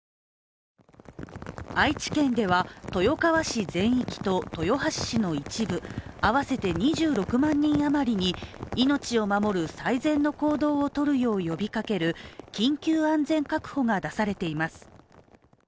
愛知県では豊川市全域と豊橋市の一部、合わせて２６万人あまりに命を守る最善の行動を取るよう呼びかける緊急安全確保が出されています。